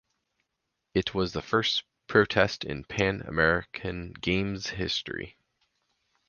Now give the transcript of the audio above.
It was the first protest in Pan American Games history.